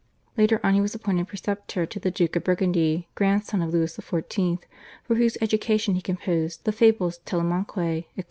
Later on he was appointed preceptor to the Duke of Burgundy, grandson of Louis XIV., for whose education he composed the /Fables, Telemaque/, etc.